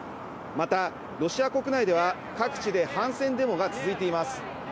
また、ロシア国内では、各地で反戦デモが続いています。